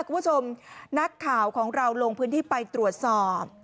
คุณผู้ชมนักข่าวของเราลงพื้นที่ไปตรวจสอบ